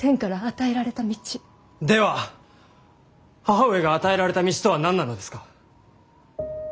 母上が与えられた道とは何なのですか。